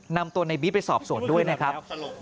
นำตัวในบี๊ไปสอบสวนด้วยนะครับ